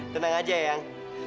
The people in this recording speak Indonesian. tenang aja eang